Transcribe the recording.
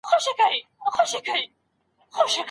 شاه شجاع د انګریزانو په مرسته کابل ته ځي.